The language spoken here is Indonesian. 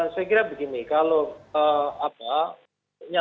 saya kira begini kalau apa